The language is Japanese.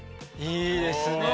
いいですね！